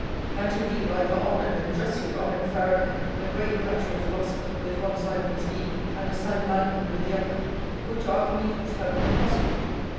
And to be, like our honoured and justly honoured Faraday, a great natural philosopher with one side of his being and a Sandemanian with the other, would to Archimedes have been impossible.